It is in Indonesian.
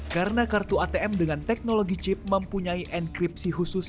karena kartu atm dengan teknologi chip mempunyai enkripsi khusus